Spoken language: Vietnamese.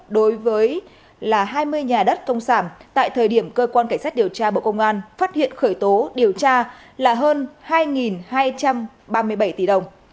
đối với hai mươi nhà đất công sản tại thời điểm cơ quan cảnh sát điều tra bộ công an phát hiện khởi tố điều tra là hơn hai hai trăm ba mươi bảy tỷ đồng